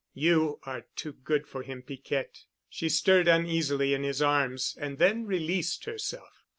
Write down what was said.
"You are too good for him, Piquette." She stirred uneasily in his arms and then released herself.